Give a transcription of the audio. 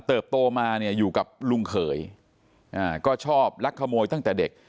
เติบโตมาอยู่กับลุงเขยก็ชอบรักขโมยตั้งแต่เด็ก